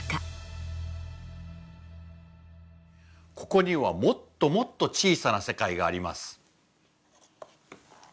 ここにはもっともっと小さな世界があります。